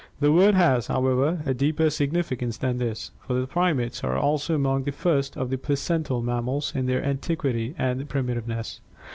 The word has, however, a deeper significance than this, for the primates are also among the first of the placental mammals in their antiquity and primitiveness.